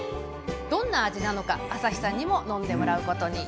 どんな味なのか朝日さんにも飲んでもらうことに。